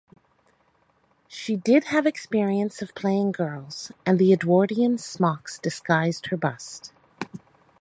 She did have experience of playing girls, and the Edwardian smocks disguised her bust.